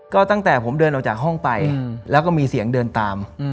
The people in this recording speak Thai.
ก็ตั้งแต่ผมเดินออกจากห้องไปแล้วก็มีเสียงเดินตาม